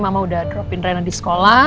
mama udah dropin renang di sekolah